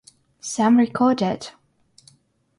Some record it.